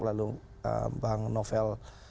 lalu bang novel